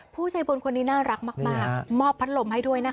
ผู้ชายบนคนนี้น่ารักมากมอบพัดลมให้ด้วยนะคะ